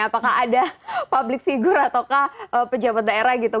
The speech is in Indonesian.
apakah ada public figure ataukah pejabat daerah gitu